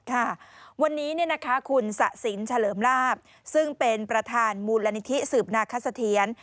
ค่ะวันนี้คุณสะสินเฉลิมลาบซึ่งเป็นประธานมูลนิธิสืบนาคสะเทียน